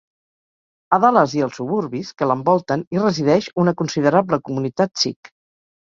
A Dallas i als suburbis que l'envolten hi resideix una considerable comunitat sikh.